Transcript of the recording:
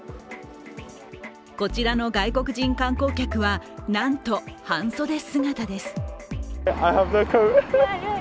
こちらの外国人観光客はなんと、半袖姿です。